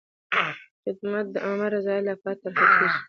خدمت د عامه رضایت لپاره طرحه کېږي.